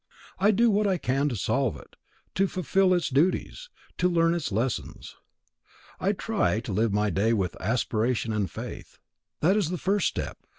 I do what I can to solve it, to fulfil its duties, to learn its lessons. I try to live my day with aspiration and faith. That is the first step.